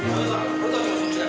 俺たちもそっちで。